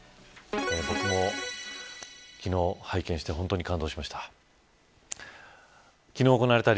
僕も昨日拝見して本当に感動しました。